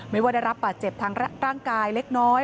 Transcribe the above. ไม่ว่าได้รับบาดเจ็บทางร่างกายเล็กน้อย